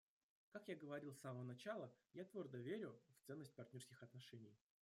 Как я говорил с самого начала, я твердо верю в ценность партнерских отношений.